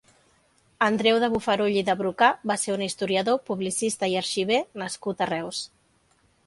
Andreu de Bofarull i de Brocà va ser un historiador, publicista i arxiver nascut a Reus.